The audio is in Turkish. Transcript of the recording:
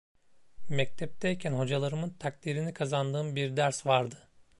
Mektepteyken hocalarımın takdirini kazandığım bir ders vardı.